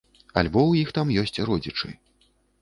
Альбо ў іх там ёсць родзічы.